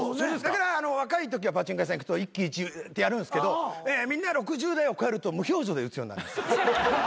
だから若いときはパチンコ屋さん行くと一喜一憂ってやるんですけどみんな６０代をこえると無表情で打つようになる。